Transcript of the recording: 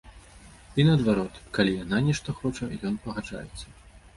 І наадварот, калі яна нешта хоча, ён пагаджаецца.